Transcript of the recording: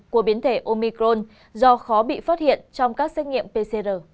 của biến thể omicron do khó bị phát hiện trong các xét nghiệm pcr